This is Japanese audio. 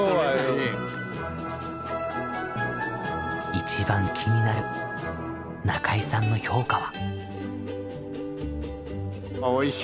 一番気になる中井さんの評価は。